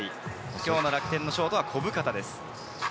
今日の楽天のショートは小深田です。